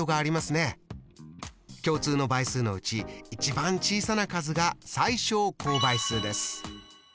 共通の倍数のうち一番小さな数が最小公倍数です。